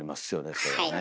それはね。